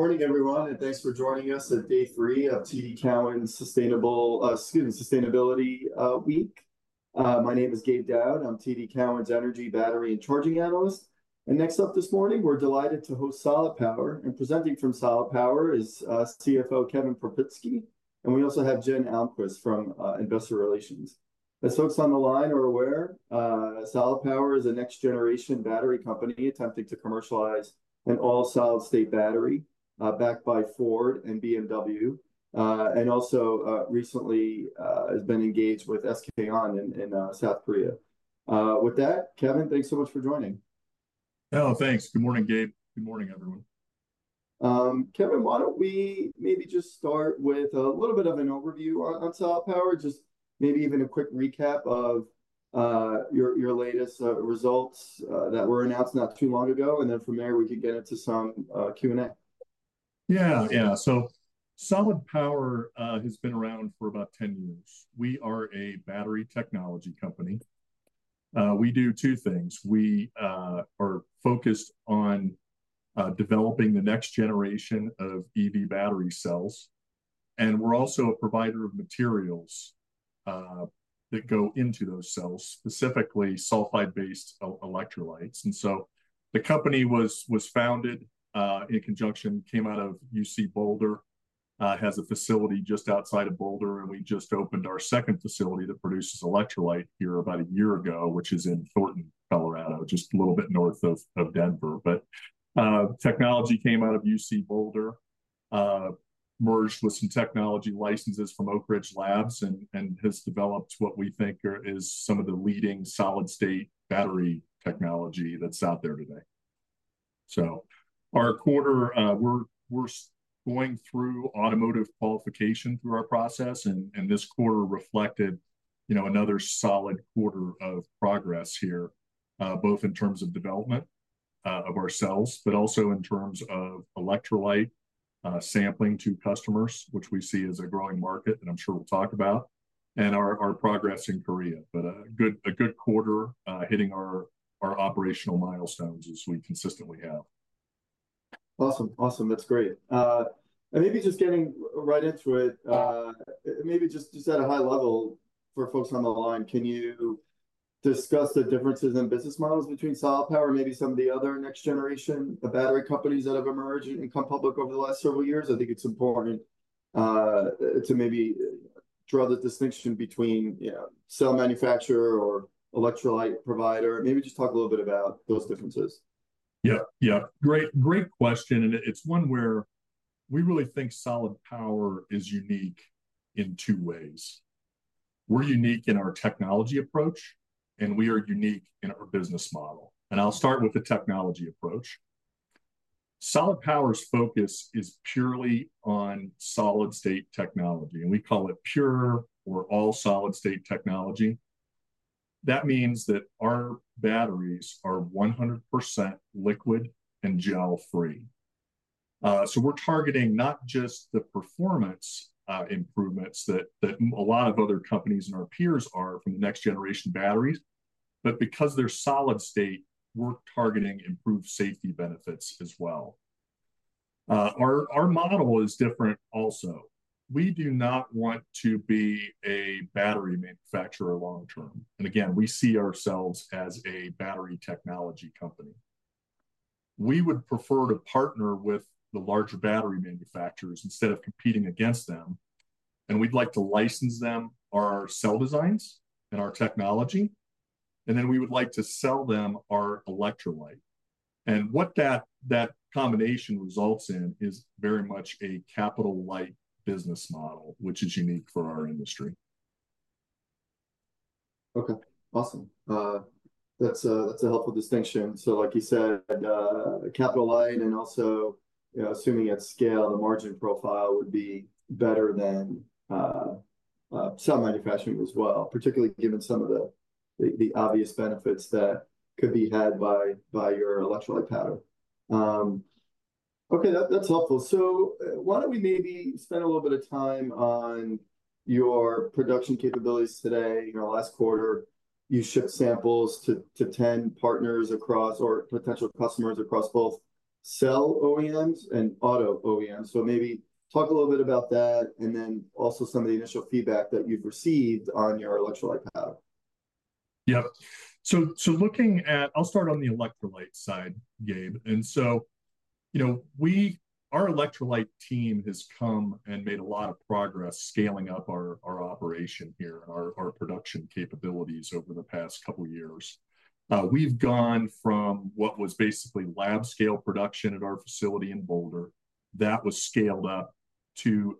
Good morning, everyone, and thanks for joining us at day three of TD Cowen Sustainability Week. My name is Gabe Daoud. I'm TD Cowen's energy, battery, and charging analyst. Next up this morning, we're delighted to host Solid Power, and presenting from Solid Power is CFO Kevin Paprzycki, and we also have Jen Almquist from investor relations. As folks on the line are aware, Solid Power is a next-generation battery company attempting to commercialize an all-solid-state battery, backed by Ford and BMW, and also recently has been engaged with SK On in South Korea. With that, Kevin, thanks so much for joining. Oh, thanks. Good morning, Gabe. Good morning, everyone. Kevin, why don't we maybe just start with a little bit of an overview on Solid Power, just maybe even a quick recap of your latest results that were announced not too long ago, and then from there we could get into some Q&A. Yeah. Yeah. So Solid Power has been around for about 10 years. We are a battery technology company. We do two things. We are focused on developing the next generation of EV battery cells, and we're also a provider of materials that go into those cells, specifically sulfide-based electrolytes. And so the company was founded in conjunction, came out of UC Boulder, has a facility just outside of Boulder, and we just opened our second facility that produces electrolyte here about a year ago, which is in Thornton, Colorado, just a little bit north of Denver. But technology came out of UC Boulder, merged with some technology licenses from Oak Ridge Labs and has developed what we think is some of the leading solid-state battery technology that's out there today. So our quarter, we're going through automotive qualification through our process, and this quarter reflected, you know, another solid quarter of progress here, both in terms of development of our cells, but also in terms of electrolyte sampling to customers, which we see as a growing market, and I'm sure we'll talk about, and our progress in Korea. But a good quarter, hitting our operational milestones as we consistently have. Awesome. Awesome. That's great. And maybe just getting right into it, maybe just, just at a high level for folks on the line, can you discuss the differences in business models between Solid Power and maybe some of the other next-generation battery companies that have emerged and gone public over the last several years? I think it's important to maybe draw the distinction between, you know, cell manufacturer or electrolyte provider. Maybe just talk a little bit about those differences. Yeah. Yeah, great, great question, and it's one where we really think Solid Power is unique in two ways. We're unique in our technology approach, and we are unique in our business model, and I'll start with the technology approach. Solid Power's focus is purely on solid-state technology, and we call it pure or all-solid-state technology. That means that our batteries are 100% liquid and gel-free. So we're targeting not just the performance improvements that a lot of other companies and our peers are from the next-generation batteries, but because they're solid state, we're targeting improved safety benefits as well. Our model is different also. We do not want to be a battery manufacturer long term. And again, we see ourselves as a battery technology company. We would prefer to partner with the larger battery manufacturers instead of competing against them, and we'd like to license them our cell designs and our technology, and then we would like to sell them our electrolyte. And what that, that combination results in is very much a capital-light business model, which is unique for our industry. Okay, awesome. That's a helpful distinction. So, like you said, capital-light and also, you know, assuming at scale, the margin profile would be better than cell manufacturing as well, particularly given some of the obvious benefits that could be had by your electrolyte powder. Okay, that's helpful. So, why don't we maybe spend a little bit of time on your production capabilities today? You know, last quarter you shipped samples to 10 partners across or potential customers across both cell OEMs and auto OEMs. So maybe talk a little bit about that, and then also some of the initial feedback that you've received on your electrolyte powder. Yep. So looking at... I'll start on the electrolyte side, Gabe. So you know, our electrolyte team has come and made a lot of progress scaling up our operation here and our production capabilities over the past couple years. We've gone from what was basically lab-scale production at our facility in Boulder. That was scaled up to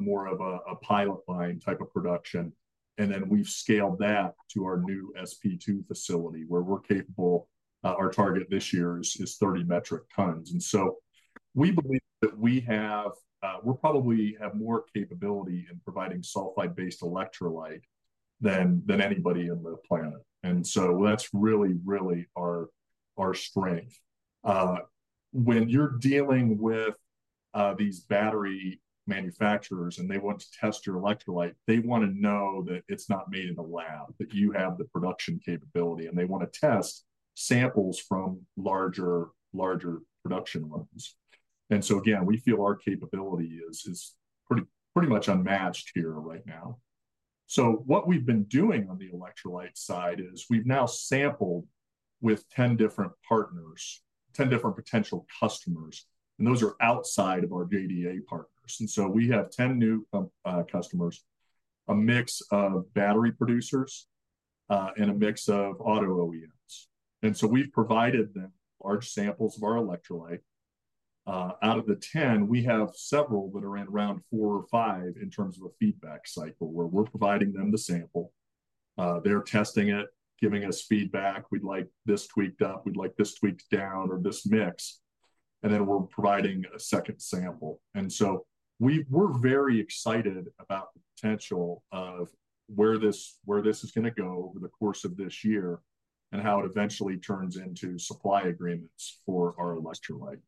more of a pilot line type of production, and then we've scaled that to our new SP2 facility, where we're capable. Our target this year is 30 metric tons. So we believe that we have, we probably have more capability in providing sulfide-based electrolyte than anybody on the planet, and so that's really our strength. When you're dealing with-... These battery manufacturers, and they want to test your electrolyte, they wanna know that it's not made in a lab, that you have the production capability, and they wanna test samples from larger production runs. And so again, we feel our capability is pretty much unmatched here right now. So what we've been doing on the electrolyte side is we've now sampled with 10 different partners, 10 different potential customers, and those are outside of our JDA partners. And so we have 10 new customers, a mix of battery producers, and a mix of auto OEMs. And so we've provided them large samples of our electrolyte. Out of the 10, we have several that are in around 4 or 5 in terms of a feedback cycle, where we're providing them the sample, they're testing it, giving us feedback, "We'd like this tweaked up, we'd like this tweaked down or this mix," and then we're providing a second sample. And so we're very excited about the potential of where this, where this is gonna go over the course of this year, and how it eventually turns into supply agreements for our electrolyte.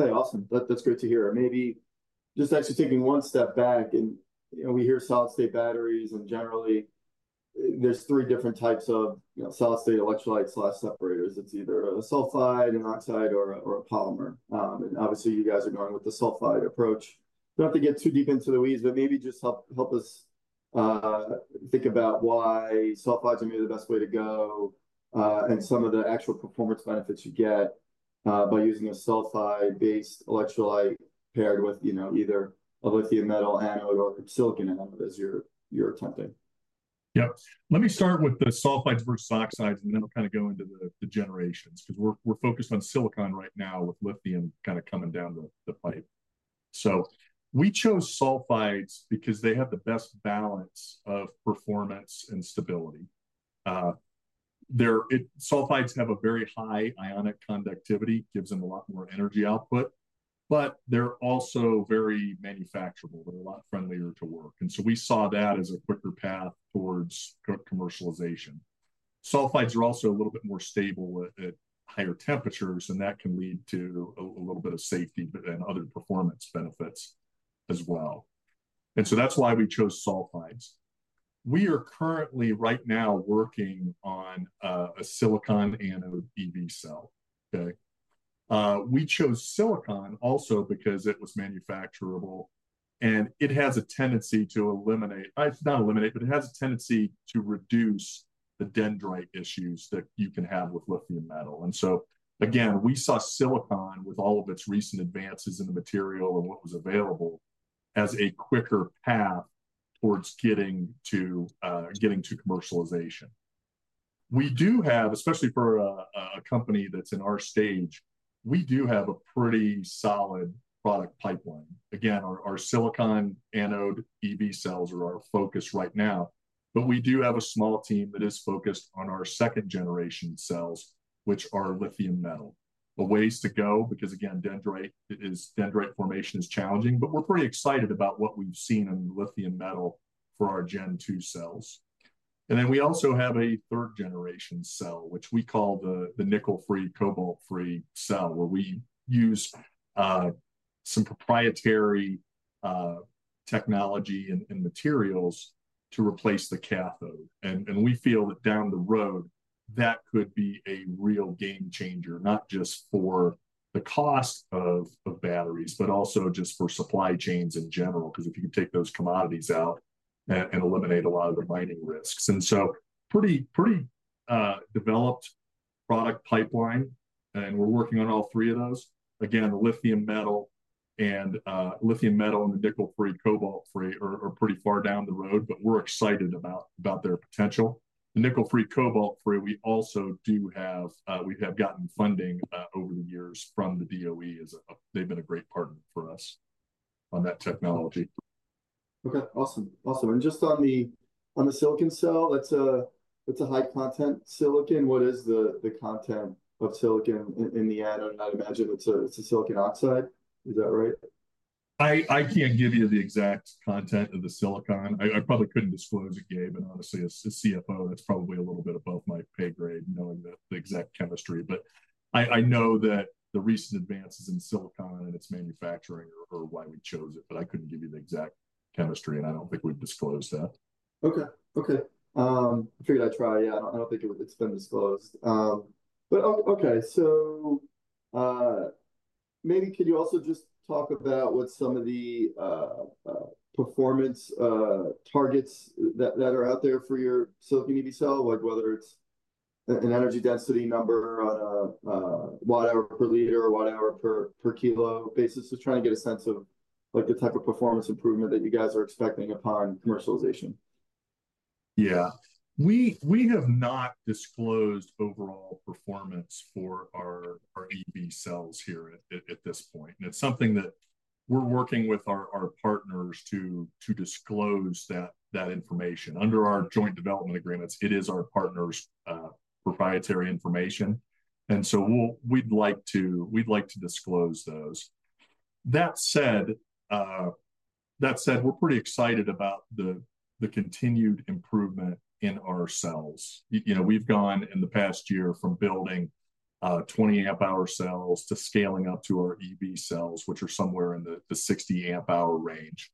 Okay, awesome. That's great to hear. Maybe just actually taking one step back, and, you know, we hear solid state batteries, and generally, there's three different types of, you know, solid state electrolytes/separators. It's either a sulfide, an oxide, or a polymer. And obviously, you guys are going with the sulfide approach. Don't have to get too deep into the weeds, but maybe just help us think about why sulfides may be the best way to go, and some of the actual performance benefits you get by using a sulfide-based electrolyte paired with, you know, either a lithium metal anode or a silicon anode as you're attempting. Yep. Let me start with the sulfides versus oxides, and then I'll kind of go into the generations, 'cause we're focused on silicon right now, with lithium kind of coming down the pipe. So we chose sulfides because they have the best balance of performance and stability. Sulfides have a very high ionic conductivity, gives them a lot more energy output, but they're also very manufacturable. They're a lot friendlier to work. And so we saw that as a quicker path towards co-commercialization. Sulfides are also a little bit more stable at higher temperatures, and that can lead to a little bit of safety and other performance benefits as well. And so that's why we chose sulfides. We are currently right now working on a silicon anode EV cell, okay? We chose silicon also because it was manufacturable, and it has a tendency to eliminate... It's not eliminate, but it has a tendency to reduce the dendrite issues that you can have with lithium metal. And so, again, we saw silicon, with all of its recent advances in the material and what was available, as a quicker path towards getting to getting to commercialization. We do have, especially for a company that's in our stage, we do have a pretty solid product pipeline. Again, our silicon anode EV cells are our focus right now, but we do have a small team that is focused on our second-generation cells, which are lithium metal. A ways to go, because, again, dendrite formation is challenging, but we're pretty excited about what we've seen in lithium metal for our Gen 2 cells. And then we also have a third-generation cell, which we call the nickel-free, cobalt-free cell, where we use some proprietary technology and materials to replace the cathode. And we feel that down the road, that could be a real game changer, not just for the cost of batteries, but also just for supply chains in general. 'Cause if you can take those commodities out and eliminate a lot of the mining risks. And so pretty developed product pipeline, and we're working on all three of those. Again, the lithium metal and the nickel-free, cobalt-free are pretty far down the road, but we're excited about their potential. The nickel-free, cobalt-free, we also have gotten funding over the years from the DOE, as... They've been a great partner for us on that technology. Okay, awesome. Awesome, and just on the silicon cell, that's a high-content silicon. What is the content of silicon in the anode? I'd imagine it's a silicon oxide. Is that right? I can't give you the exact content of the silicon. I probably couldn't disclose it, Gabe, and honestly, as the CFO, that's probably a little bit above my pay grade, knowing the exact chemistry. But I know that the recent advances in silicon and its manufacturing are why we chose it, but I couldn't give you the exact chemistry, and I don't think we've disclosed that. Okay. I figured I'd try. Yeah, I don't think it's been disclosed. But okay, so maybe could you also just talk about what some of the performance targets that are out there for your silicon EV cell, like whether it's an energy density number on a watt-hour per liter or watt-hour per kilo basis? Just trying to get a sense of, like, the type of performance improvement that you guys are expecting upon commercialization. Yeah. We have not disclosed overall performance for our EV cells here at this point, and it's something that we're working with our partners to disclose that information. Under our joint development agreements, it is our partners' proprietary information, and so we'd like to disclose those. That said, we're pretty excited about the continued improvement in our cells. You know, we've gone, in the past year, from building 20 amp-hour cells to scaling up to our EV cells, which are somewhere in the 60 amp-hour range.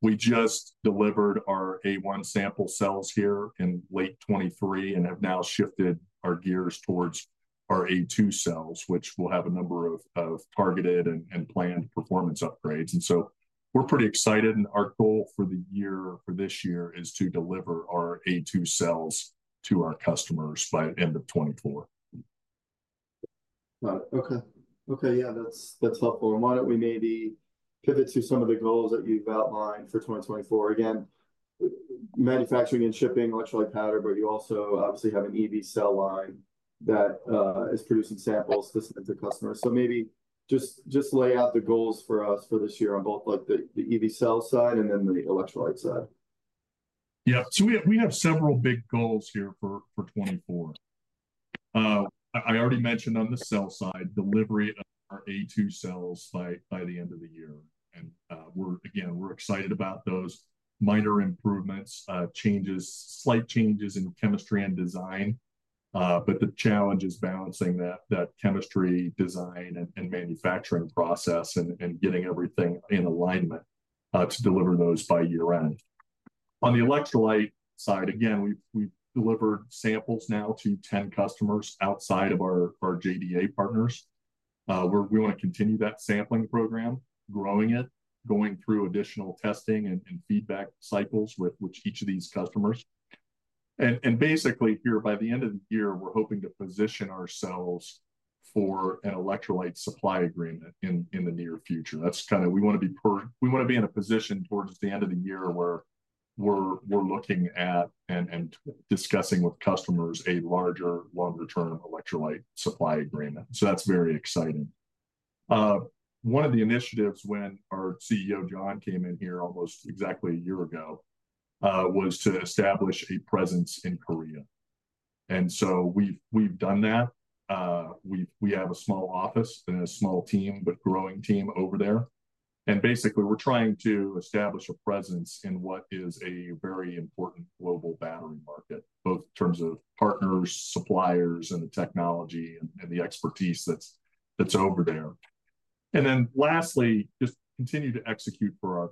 We just delivered our A1 sample cells here in late 2023, and have now shifted our gears towards our A2 cells, which will have a number of targeted and planned performance upgrades. And so we're pretty excited, and our goal for the year, for this year, is to deliver our A-2 cells to our customers by end of 2024. Got it. Okay. Okay, yeah, that's, that's helpful. And why don't we maybe pivot to some of the goals that you've outlined for 2024? Again, manufacturing and shipping electrolyte powder, but you also obviously have an EV cell line that is producing samples to send to customers. So maybe just, just lay out the goals for us for this year on both, like, the EV cell side and then the electrolyte side. Yeah. So we have several big goals here for 2024. I already mentioned on the cell side, delivery of our A2 cells by the end of the year. And we're excited about those minor improvements, changes, slight changes in chemistry and design. But the challenge is balancing that chemistry, design, and manufacturing process, and getting everything in alignment to deliver those by year-end. On the electrolyte side, again, we've delivered samples now to 10 customers outside of our JDA partners. We're gonna continue that sampling program, growing it, going through additional testing and feedback cycles with each of these customers. And basically, here, by the end of the year, we're hoping to position ourselves for an electrolyte supply agreement in the near future. That's kinda... We wanna be in a position towards the end of the year where we're looking at and discussing with customers a larger, longer-term electrolyte supply agreement, so that's very exciting. One of the initiatives when our CEO, John, came in here almost exactly a year ago was to establish a presence in Korea, and so we've done that. We have a small office and a small team, but growing team over there. Basically, we're trying to establish a presence in what is a very important global battery market, both in terms of partners, suppliers, and the technology, and the expertise that's over there. And then lastly, just continue to execute for our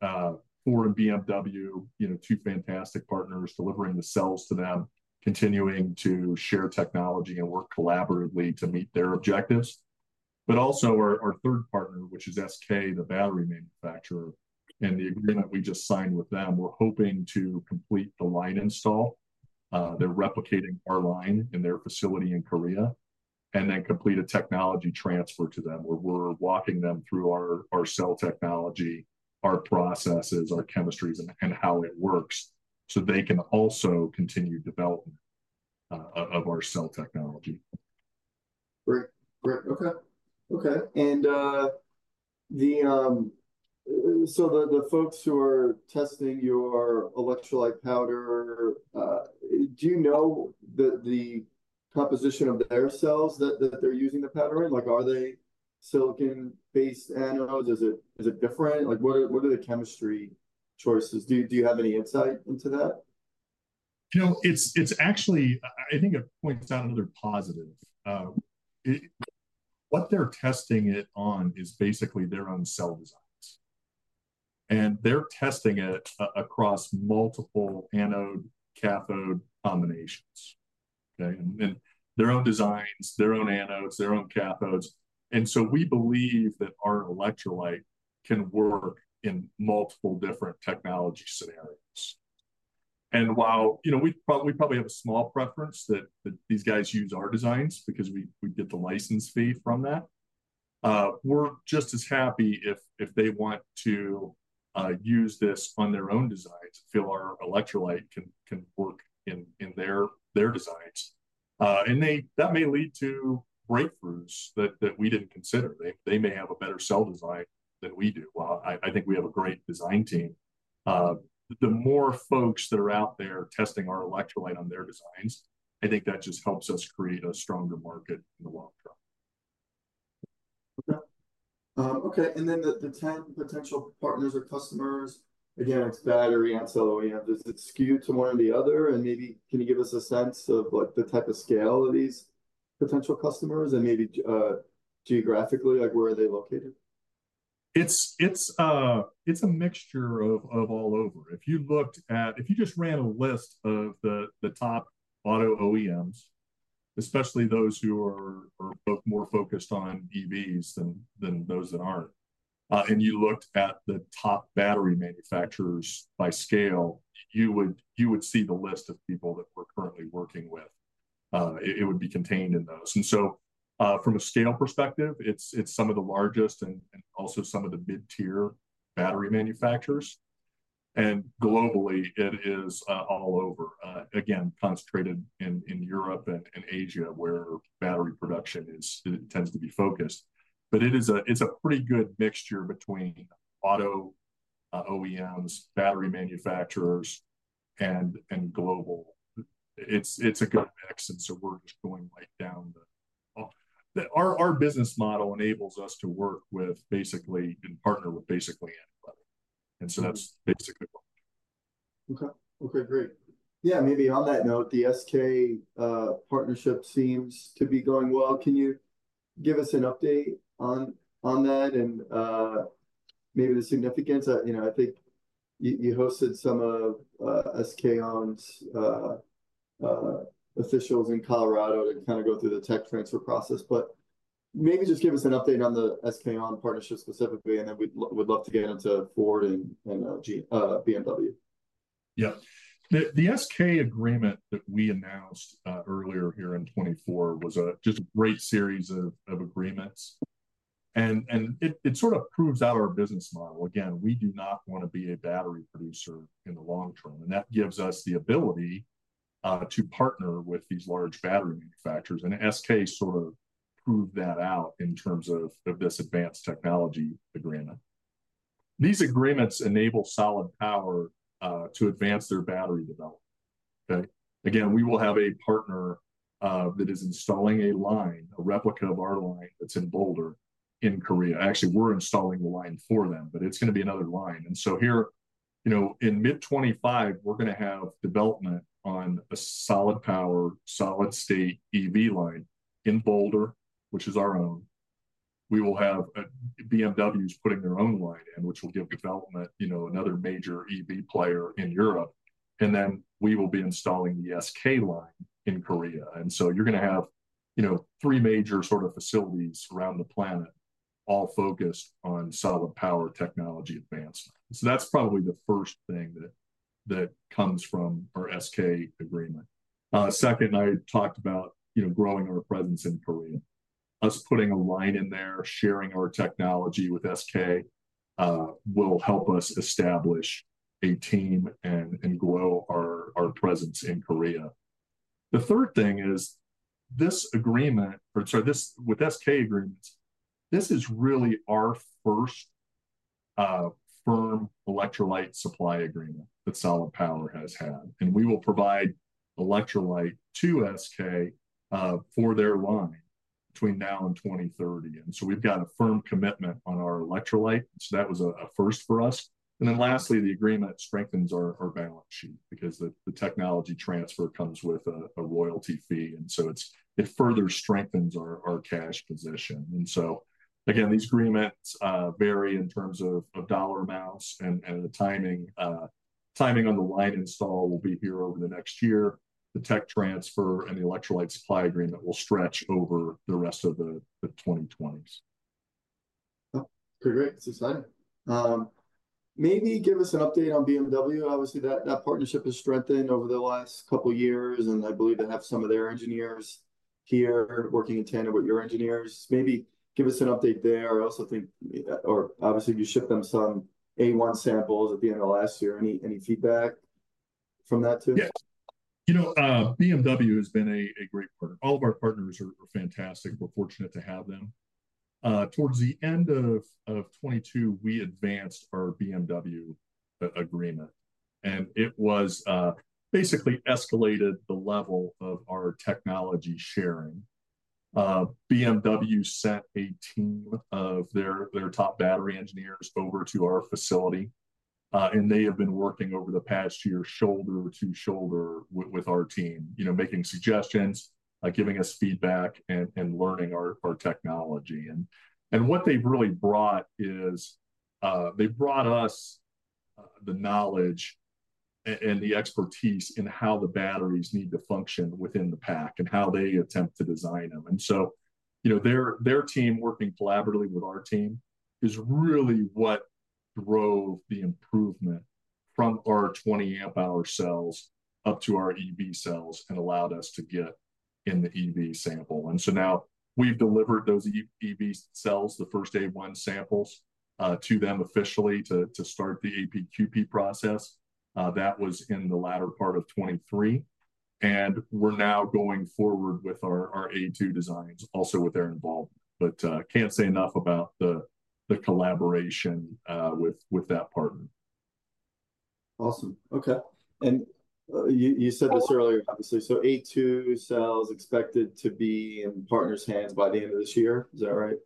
partners, for BMW, you know, two fantastic partners, delivering the cells to them, continuing to share technology and work collaboratively to meet their objectives. But also our third partner, which is SK, the battery manufacturer, and the agreement we just signed with them, we're hoping to complete the line install. They're replicating our line in their facility in Korea, and then complete a technology transfer to them, where we're walking them through our cell technology, our processes, our chemistries, and how it works, so they can also continue development of our cell technology. Great. Great, okay. Okay, and, so the folks who are testing your electrolyte powder, do you know the composition of their cells that they're using the powder in? Like, are they silicon-based anodes? Is it different? Like, what are the chemistry choices? Do you have any insight into that? You know, it's actually, I think it points out another positive. What they're testing it on is basically their own cell designs, and they're testing it across multiple anode/cathode combinations, okay? And their own designs, their own anodes, their own cathodes. So we believe that our electrolyte can work in multiple different technology scenarios. While, you know, we probably have a small preference that these guys use our designs, because we get the license fee from that, we're just as happy if they want to use this on their own designs. Feel our electrolyte can work in their designs. And they... That may lead to breakthroughs that we didn't consider. They may have a better cell design than we do. While I think we have a great design team, the more folks that are out there testing our electrolyte on their designs, I think that just helps us create a stronger market in the long term. Okay, okay, and then the 10 potential partners or customers, again, it's battery and cell OEM. Does it skew to one or the other? And maybe can you give us a sense of, like, the type of scale of these potential customers, and maybe geographically, like, where are they located? It's a mixture of all over. If you just ran a list of the top auto OEMs, especially those who are both more focused on EVs than those that aren't, and you looked at the top battery manufacturers by scale, you would see the list of people that we're currently working with. It would be contained in those. And so, from a scale perspective, it's some of the largest and also some of the mid-tier battery manufacturers. And globally, it is all over, again, concentrated in Europe and Asia, where battery production is—it tends to be focused. But it is a pretty good mixture between auto OEMs, battery manufacturers, and global. It's a good mix, and so we're just going right down the... Our business model enables us to work with basically, and partner with basically anybody, and so that's basically what. Okay. Okay, great. Yeah, maybe on that note, the SK On partnership seems to be going well. Can you give us an update on that and maybe the significance? You know, I think you hosted some of SK On officials in Colorado to kind of go through the tech transfer process. But maybe just give us an update on the SK On partnership specifically, and then we'd love to get into Ford and BMW. Yeah. The SK agreement that we announced earlier here in 2024 was a just great series of agreements, and it sort of proves out our business model. Again, we do not wanna be a battery producer in the long term, and that gives us the ability to partner with these large battery manufacturers. And SK sort of proved that out in terms of this advanced technology agreement. These agreements enable Solid Power to advance their battery development. But again, we will have a partner that is installing a line, a replica of our line that's in Boulder, in Korea. Actually, we're installing the line for them, but it's gonna be another line. And so here, you know, in mid 2025, we're gonna have development on a Solid Power solid-state EV line in Boulder, which is our own. We will have a... BMW's putting their own line in, which will give development, you know, another major EV player in Europe, and then we will be installing the SK line in Korea. So you're gonna have, you know, three major sort of facilities around the planet, all focused on Solid Power technology advancement. That's probably the first thing that comes from our SK agreement. Second, I talked about, you know, growing our presence in Korea. Us putting a line in there, sharing our technology with SK will help us establish a team and grow our presence in Korea. The third thing is this agreement, or sorry, this with SK agreements, this is really our first firm electrolyte supply agreement that Solid Power has had. We will provide electrolyte to SK for their line between now and 2030, and so we've got a firm commitment on our electrolyte, so that was a first for us. Then lastly, the agreement strengthens our balance sheet because the technology transfer comes with a royalty fee, and so it further strengthens our cash position. So again, these agreements vary in terms of dollar amounts and the timing. Timing on the line install will be here over the next year. The tech transfer and the electrolyte supply agreement will stretch over the rest of the 2020s. Oh, pretty great. It's exciting. Maybe give us an update on BMW. Obviously, that partnership has strengthened over the last couple of years, and I believe they have some of their engineers here working in tandem with your engineers. Maybe give us an update there. I also think, or obviously, you shipped them some A1 samples at the end of last year. Any feedback from that too? Yes. You know, BMW has been a great partner. All of our partners are fantastic. We're fortunate to have them. Towards the end of 2022, we advanced our BMW agreement, and it was basically escalated the level of our technology sharing. BMW sent a team of their top battery engineers over to our facility, and they have been working over the past year, shoulder to shoulder with our team. You know, making suggestions, giving us feedback, and learning our technology. And what they've really brought is, they've brought us the knowledge and the expertise in how the batteries need to function within the pack and how they attempt to design them. And so, you know, their team working collaboratively with our team is really what drove the improvement from our 20 amp hour cells up to our EV cells and allowed us to get in the EV sample. And so now we've delivered those EV cells, the first A-1 samples, to them officially to start the APQP process. That was in the latter part of 2023, and we're now going forward with our A-2 designs also with their involvement. But, can't say enough about the collaboration with that partner. Awesome. Okay, and you said this earlier, obviously, so A2 cells expected to be in partners' hands by the end of this year. Is that right?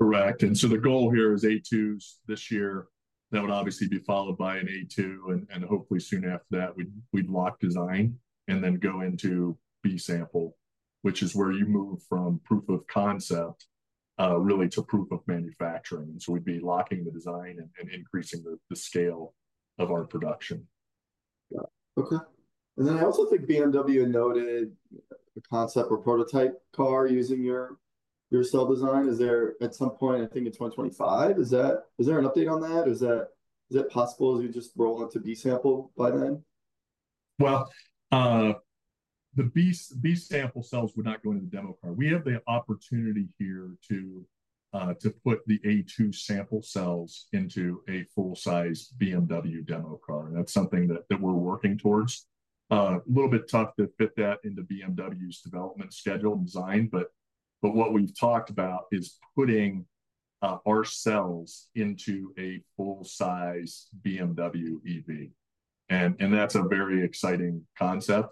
Correct. And so the goal here is A2s this year, that would obviously be followed by an A2, and hopefully soon after that, we'd lock design and then go into B sample, which is where you move from proof of concept, really to proof of manufacturing. And so we'd be locking the design and increasing the scale of our production. Yeah. Okay. And then I also think BMW noted the concept or prototype car using your, your cell design. Is there, at some point, I think in 2025, is that... Is there an update on that? Is that, is it possible you just roll out to B sample by then? Well, the B sample cells would not go into the demo car. We have the opportunity here to put the A2 sample cells into a full-size BMW demo car, and that's something that we're working towards. A little bit tough to fit that into BMW's development schedule and design, but what we've talked about is putting our cells into a full size BMW EV. And that's a very exciting concept.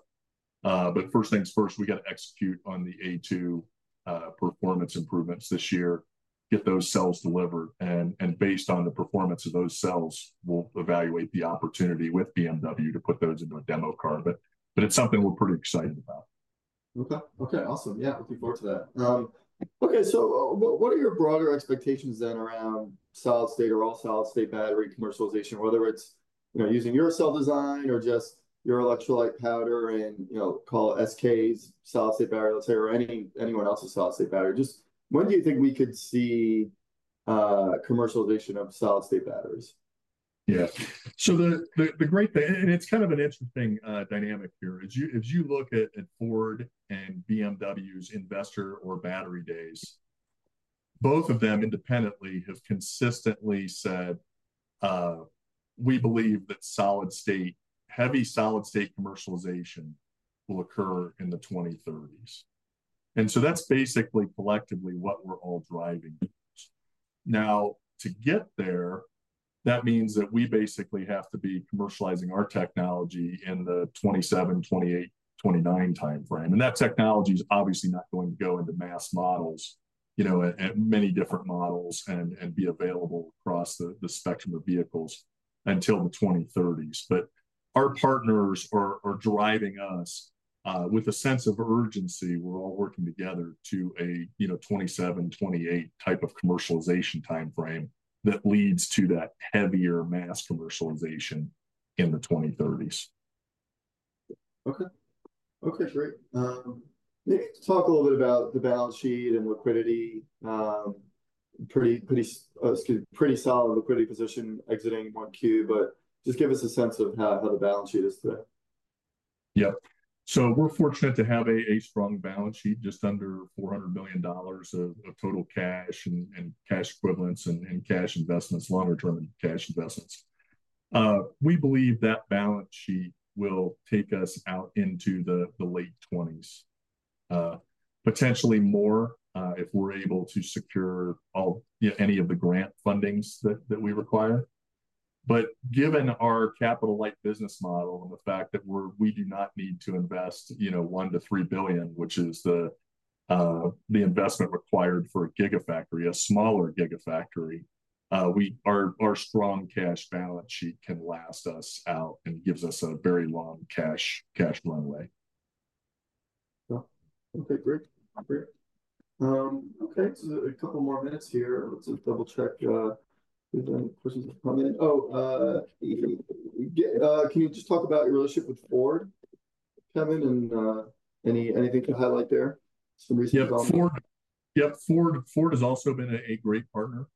But first things first, we got to execute on the A2 performance improvements this year, get those cells delivered, and based on the performance of those cells, we'll evaluate the opportunity with BMW to put those into a demo car. But it's something we're pretty excited about. Okay. Okay, awesome. Yeah, looking forward to that. Okay, so what, what are your broader expectations then around solid state or all solid state battery commercialization, whether it's, you know, using your cell design or just your electrolyte powder and, you know, call it SK's solid state battery, let's say, or anyone else's solid state battery? Just when do you think we could see commercialization of solid state batteries? Yeah. So the great thing... And it's kind of an interesting dynamic here. As you look at Ford and BMW's investor or battery days, both of them independently have consistently said, "We believe that solid-state heavy solid-state commercialization will occur in the 2030s." And so that's basically collectively what we're all driving. Now, to get there, that means that we basically have to be commercializing our technology in the 2027, 2028, 2029 timeframe. And that technology is obviously not going to go into mass models, you know, at many different models and be available across the spectrum of vehicles until the 2030s. But our partners are driving us with a sense of urgency. We're all working together to a, you know, 27-28 type of commercialization timeframe that leads to that heavier mass commercialization in the 2030s. Okay. Okay, great. Let's talk a little bit about the balance sheet and liquidity. Pretty solid liquidity position exiting 1Q, but just give us a sense of how the balance sheet is today. Yep. So we're fortunate to have a strong balance sheet, just under $400 million of total cash and cash equivalents and cash investments, longer term cash investments. We believe that balance sheet will take us out into the late 2020s, potentially more, if we're able to secure all, you know, any of the grant fundings that we require. But given our capital light business model and the fact that we do not need to invest, you know, $1 billion-$3 billion, which is the investment required for a gigafactory, a smaller gigafactory, we, our strong cash balance sheet can last us out and gives us a very long cash runway. Yeah. Okay, great. Great. Okay, so a couple more minutes here. Let's just double-check, we've done questions. One minute. Oh, can you just talk about your relationship with Ford, Kevin, and anything to highlight there? Some reasons- Yep, Ford. Yep, Ford, Ford has also been a great partner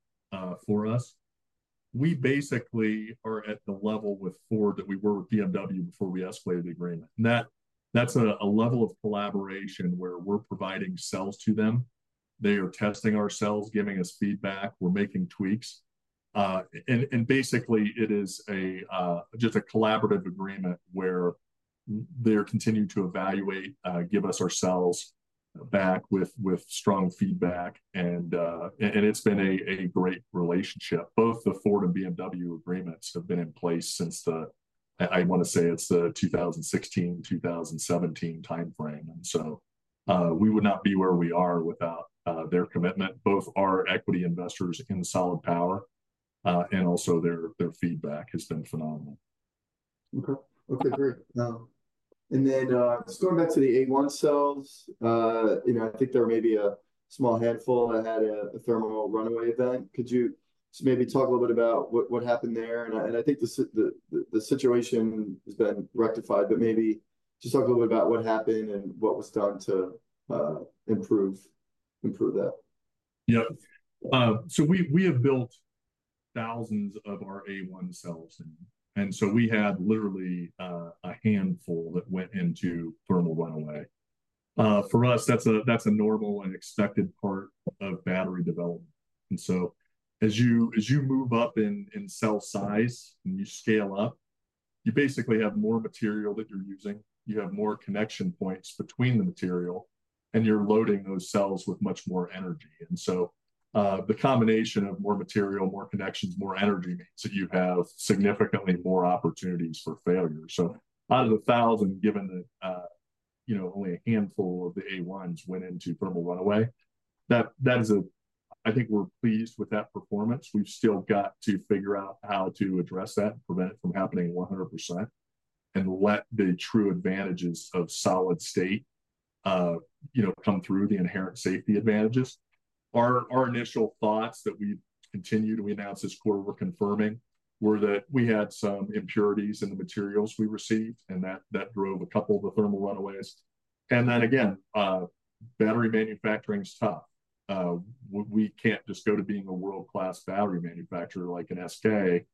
for us. We basically are at the level with Ford that we were with BMW before we escalated the agreement. And that, that's a level of collaboration where we're providing cells to them. They are testing our cells, giving us feedback, we're making tweaks. And basically it is just a collaborative agreement where they're continuing to evaluate, give us our cells back with strong feedback, and it's been a great relationship. Both the Ford and BMW agreements have been in place since the, I wanna say it's the 2016, 2017 timeframe, and so we would not be where we are without their commitment, both our equity investors in Solid Power, and also their feedback has been phenomenal. Okay. Okay, great. And then, just going back to the A-1 cells, you know, I think there may be a small handful that had a thermal runaway event. Could you just maybe talk a little bit about what happened there? And I think the situation has been rectified, but maybe just talk a little bit about what happened and what was done to improve that. Yeah. So we have built thousands of our A1 cells, and so we had literally a handful that went into thermal runaway. For us, that's a normal and expected part of battery development. And so as you move up in cell size and you scale up, you basically have more material that you're using, you have more connection points between the material, and you're loading those cells with much more energy. And so the combination of more material, more connections, more energy, means that you have significantly more opportunities for failure. So out of the thousand, given that, you know, only a handful of the A1s went into thermal runaway, that is. I think we're pleased with that performance. We've still got to figure out how to address that and prevent it from happening 100%, and what the true advantages of solid state, you know, come through the inherent safety advantages. Our initial thoughts that we continue to announce this quarter, we're confirming, were that we had some impurities in the materials we received, and that drove a couple of the thermal runaways. And then again, battery manufacturing is tough. We can't just go to being a world-class battery manufacturer like an SK.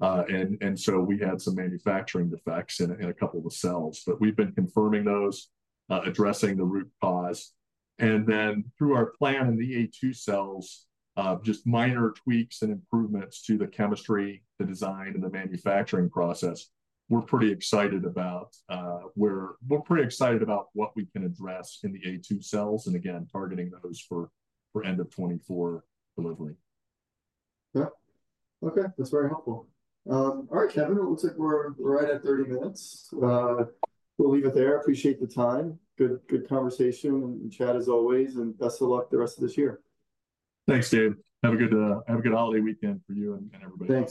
And so we had some manufacturing defects in a couple of the cells, but we've been confirming those, addressing the root cause. And then through our plan in the A2 cells, just minor tweaks and improvements to the chemistry, the design, and the manufacturing process, we're pretty excited about what we can address in the A2 cells, and again, targeting those for end of 2024 delivery. Yeah. Okay, that's very helpful. All right, Kevin, it looks like we're right at 30 minutes. We'll leave it there. Appreciate the time. Good, good conversation and chat as always, and best of luck the rest of this year. Thanks, Gab. Have a good holiday weekend for you and everybody.